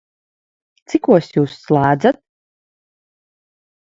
Cikos Jūs slēdzat?